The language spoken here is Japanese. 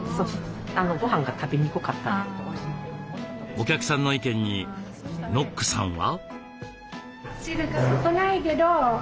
お客さんの意見にノックさんは？